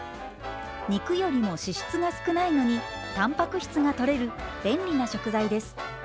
肉よりも脂質が少ないのにたんぱく質がとれる便利な食材です。